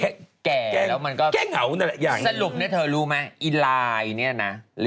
เดี๋ยวเหงา